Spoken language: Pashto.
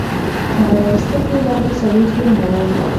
هغه يو سترګې لا د سړي زوی نه وو.